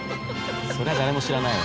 そりゃ誰も知らないわ。